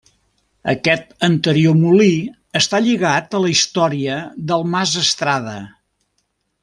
Aquest anterior molí està lligat a la història del mas Estrada.